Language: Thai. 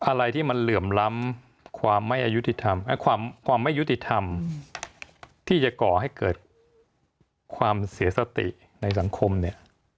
อะไรที่มันเหลื่อมล้ำความไม่อายุติธรรมความไม่ยุติธรรมที่จะก่อให้เกิดความเสียสติในสังคมเนี่ย